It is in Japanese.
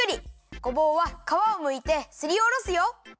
ごぼうはかわをむいてすりおろすよ。